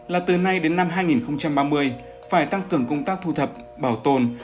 là từ nay đến năm hai nghìn ba mươi phải tăng cường công tác thu thập bảo tồn